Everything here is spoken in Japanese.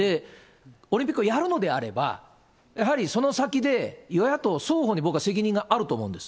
オリンピックをやるのであれば、やはりその先で、与野党双方に僕は責任があると思うんです。